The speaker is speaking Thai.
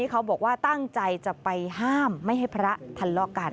เขาบอกว่าตั้งใจจะไปห้ามไม่ให้พระทะเลาะกัน